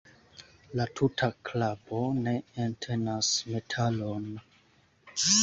La tuta kablo ne entenas metalon.